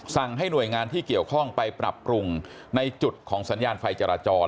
ให้หน่วยงานที่เกี่ยวข้องไปปรับปรุงในจุดของสัญญาณไฟจราจร